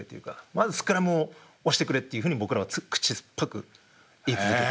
まずスクラムを押してくれっていうふうに僕らは口酸っぱく言い続けて。